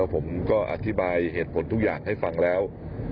ผมก็อธิบายเหตุผลทุกอย่างให้ฟังแล้ว